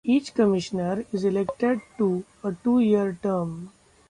Each Commissioner is elected to a two-year term.